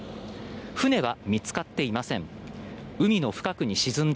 船は見つかっていません。